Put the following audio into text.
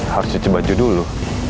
harus nyuci baju dulu